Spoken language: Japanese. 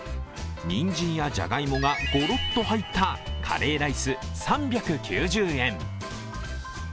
にんじんやじゃがいもがゴロッと入ったカレーライス３９０円。